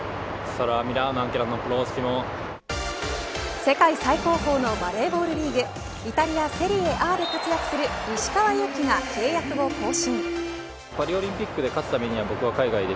世界最高峰のバレーボールリーグイタリアセリエＡで活躍する石川祐希が契約を更新。